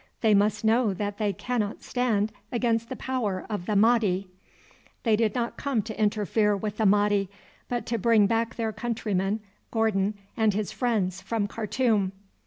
"They must know that they cannot stand against the power of the Mahdi." "They did not come to interfere with the Mahdi, but to bring back their countryman Gordon and his friends from Khartoum."